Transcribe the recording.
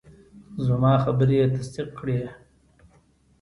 زما خبرې یې تصدیق کړې.